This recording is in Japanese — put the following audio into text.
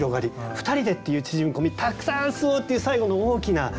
「ふたりで」っていう縮み込み「たくさん吸おう」っていう最後の大きな広がり。